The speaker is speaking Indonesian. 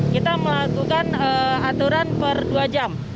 kita melakukan aturan per dua jam